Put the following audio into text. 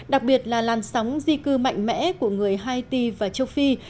đặc biệt là làn sóng di cư mạnh mẽ của người haiti và châu phi